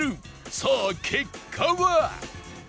さあ結果は？